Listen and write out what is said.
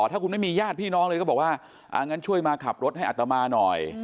ถ้าคุณไม่มีญาติพี่น้องเลยก็บอกว่างั้นช่วยมาขับรถให้อัตมาหน่อย